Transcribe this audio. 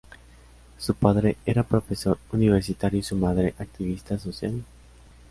Su padre era profesor universitario, y su madre, activista social.